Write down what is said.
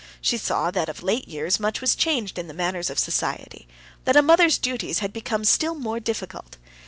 She saw that of late years much was changed in the manners of society, that a mother's duties had become still more difficult.